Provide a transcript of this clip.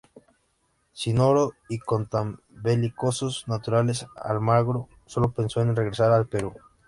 Sin oro y con tan belicosos naturales, Almagro sólo pensó en regresar al Perú.